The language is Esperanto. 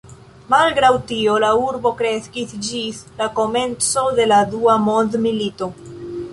Malgraŭ tio, la urbo kreskis ĝis la komenco de la Dua mondmilito.